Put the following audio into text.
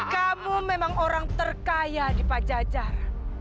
kamu memang orang terkaya di pajajar